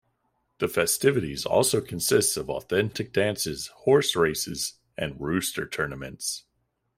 The festivities also consist of authentic dances, horse races, and rooster tournaments.